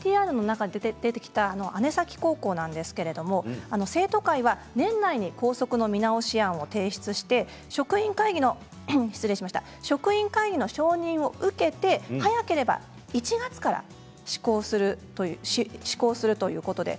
姉崎高校なんですが生徒会は年内に校則の見直し案を提出して職員会議の承認を受けて早ければ１月から試行するということです。